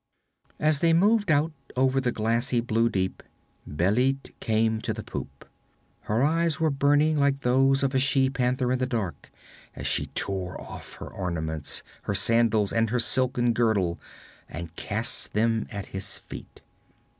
As they moved out over the glassy blue deep, Bêlit came to the poop. Her eyes were burning like those of a she panther in the dark as she tore off her ornaments, her sandals and her silken girdle and cast them at his feet.